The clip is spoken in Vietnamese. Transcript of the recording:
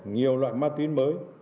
nhiều loại ma túy mới